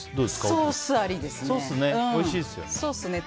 ソースありですね。